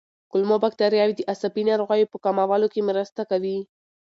کولمو بکتریاوې د عصبي ناروغیو په کمولو کې مرسته کوي.